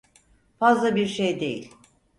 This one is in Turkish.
Fazla bir şey değil.